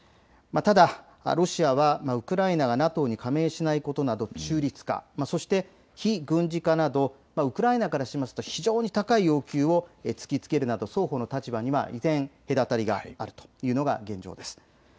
ただロシアはウクライナがＮＡＴＯに加盟しないことなど中立化、そして非軍事化などウクライナからしますと非常に高い要求を突きつけるなど双方の立場には依然、隔たりがあるというのが現状です。